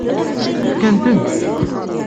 Fkan-ak-ten?